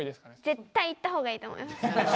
絶対言った方がいいと思います。